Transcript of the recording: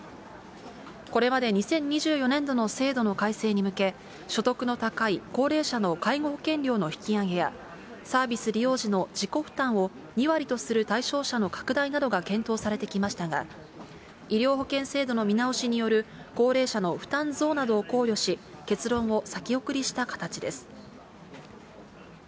これまで２０２４年度の制度の改正に向け、所得の高い高齢者の介護保険料の引き上げや、サービス利用時の自己負担を２割とする対象者の拡大などが検討されてきましたが、医療保険制度の見直しによる高齢者の負担増などを考慮し、結論を先送りした形です。